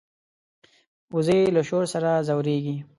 وزې له شور سره ځورېږي